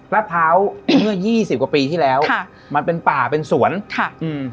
พร้าวเมื่อยี่สิบกว่าปีที่แล้วค่ะมันเป็นป่าเป็นสวนค่ะอืม